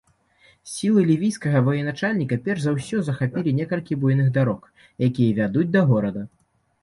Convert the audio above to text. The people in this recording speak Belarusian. Сілы лівійскага ваеначальніка перш за ўсё захапілі некалькі буйных дарог, якія вядуць да горада.